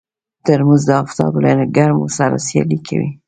ترموز د افتاب له ګرمو سره سیالي کوي.